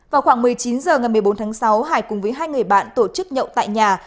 vào khoảng một mươi chín h ngày một mươi bốn tháng sáu hải cùng với hai người bạn tổ chức nhậu tại nhà